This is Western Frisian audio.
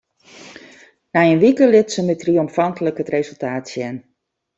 Nei in wike liet se my triomfantlik it resultaat sjen.